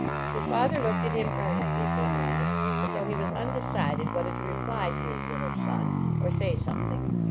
His father looked at him earnestly for a moment, as though he was undecided whether to reply to his little son, or say something.